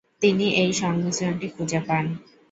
তিনি এই সংমিশ্রণটি খুঁজে পান।